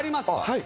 はい。